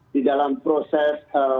di dalam proses